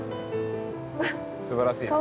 すばらしい。